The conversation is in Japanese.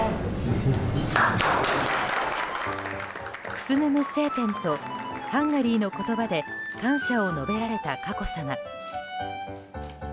クスヌムセーペンとハンガリーの言葉で感謝を述べられた佳子さま。